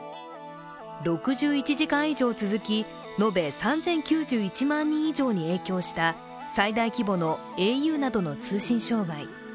６１時間以上続き、延べ３０９１万人などに影響した最大規模のａｕなどの通信障害。